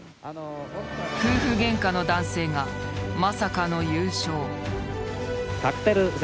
夫婦げんかの男性がまさかの優勝。